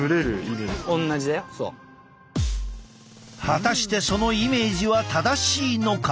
果たしてそのイメージは正しいのか？